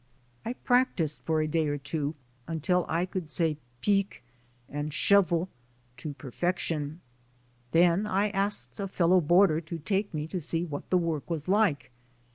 I practised for a day or two until I could say "peek" and "shuvle" to perfection. Then I asked a fellow boarder to take me to see what the work was like.